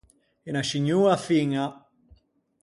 Unna scignoa fiña.